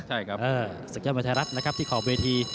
สังเกิดมหาชายรัฐนะครับที่ขอบเวที